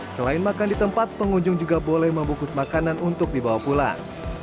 selain makan di tempat pengunjung juga boleh membungkus makanan untuk dibawa pulang